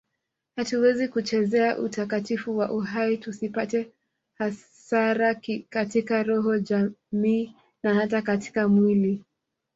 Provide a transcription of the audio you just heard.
Hatuwezi kuchezea utakatifu wa uhai tusipate hasara katika roho jamii na hata katika mwili